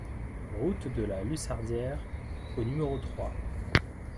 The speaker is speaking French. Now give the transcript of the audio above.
Route de la Lussardière au numéro trois